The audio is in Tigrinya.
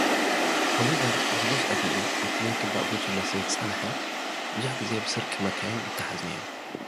ኦሊቨር ኣብ ንኡስ ዕድሜኡ ኣብቲ ዘይግባእ ጉጅለ ስለዝጸንሕ፡ ብዙሕ ግዜ ብስርቂ መካይን ይተሓዝ ነይሩ።